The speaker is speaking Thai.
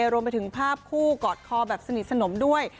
รวมไปถึงภาพคู่กอดคอแบบสนิทสนมด้วย